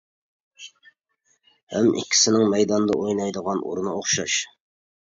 ھەم ئىككىسىنىڭ مەيداندا ئوينايدىغان ئورنى ئوخشاش.